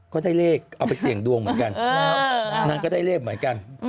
ก็ได้เลขเอาไปเสี่ยงดวงเหมือนกัน